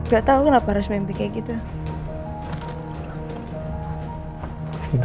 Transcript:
gak tahu kenapa harus mimpi kayak gitu